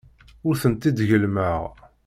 Ur tent-id-gellmeɣ.